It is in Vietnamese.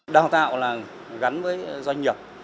đào tạo là gắn với doanh nghiệp